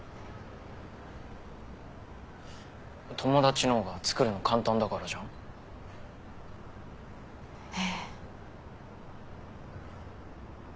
友達の方がつくるの簡単だからじゃん。へ。